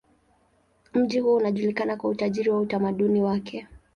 Mji huo unajulikana kwa utajiri wa utamaduni wake.